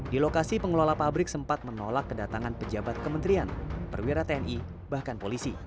di lokasi pengelola pabrik sempat menolak kedatangan pejabat kementerian perwira tni bahkan polisi